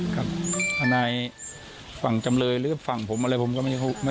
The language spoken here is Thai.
ครับท่านนายฝั่งจำเลยหรือฝั่งผมอะไรผมก็ไม่เคยรู้เท่าไร